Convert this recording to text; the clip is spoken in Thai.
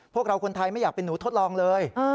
พวกเราคนไทยไม่อยากเป็นหนูทดลองเลย